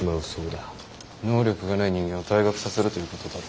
能力がない人間を退学させるということだろ。